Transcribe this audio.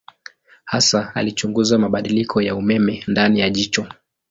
Hasa alichunguza mabadiliko ya umeme ndani ya jicho.